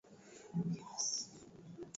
Kuchemsha huamsha vimengenya vya viazi lishe